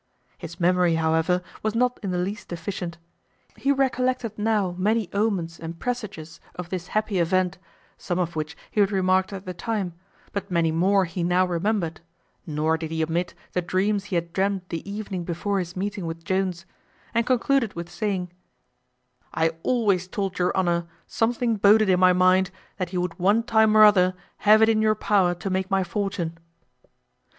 His memory, however, was not in the least deficient. He recollected now many omens and presages of this happy event, some of which he had remarked at the time, but many more he now remembered; nor did he omit the dreams he had dreamt the evening before his meeting with Jones; and concluded with saying, "I always told your honour something boded in my mind that you would one time or other have it in your power to make my fortune."